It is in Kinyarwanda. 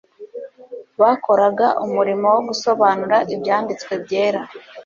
bakoraga umurimo wo gusobanura Ibyanditswe byera.